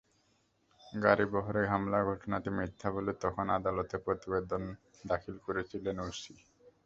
গাড়িবহরে হামলার ঘটনাটি মিথ্যা বলে তখন আদালতে প্রতিবেদন দাখিল করেছিলেন ওসি।